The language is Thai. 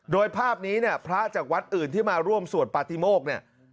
โดยภาพนี้พระจักรวรรดิอื่นที่มาร่วมสวดปฏิโมก